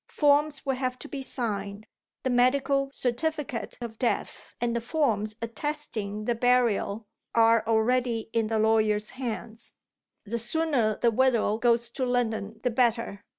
Forms will have to be signed. The medical certificate of death and the forms attesting the burial are already in the lawyers' hands. The sooner the widow goes to London the better.